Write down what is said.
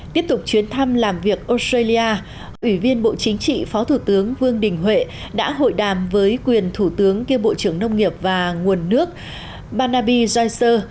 tiếp tục chuyến thăm làm việc australia ủy viên bộ chính trị phó thủ tướng vương đình huệ đã hội đàm với quyền thủ tướng kiêm bộ trưởng nông nghiệp và nguồn nước banabi jiseer